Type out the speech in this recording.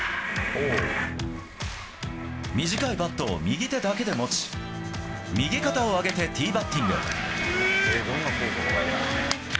短いバットを右手だけで持ち右肩を上げてティーバッティング。